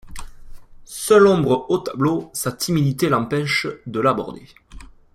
Seule ombre au tableau, sa timidité l'empêche de l'aborder.